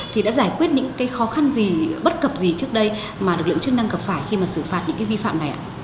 thì đã giải quyết những cái khó khăn gì bất cập gì trước đây mà lực lượng chức năng gặp phải khi mà xử phạt những cái vi phạm này ạ